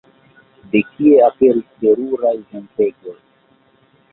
De kie aperis teruraj ventegoj?